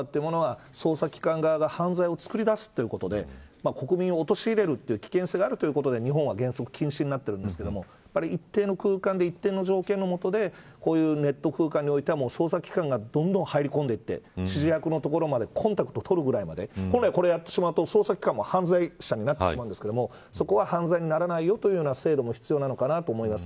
おとり捜査は、捜査機関側が犯罪を作り出すことで国民を陥れる危険性があるということで日本は原則禁止になってるんですが一定の空間で一定の条件の下でこういうネット空間においては捜査機関が入り込んでいって指示役のところにコンタクトを取るくらいまで本来、これをやると捜査機関も犯罪者になってしまうんですがそこは犯罪にならないという制度も必要なのかなと思います。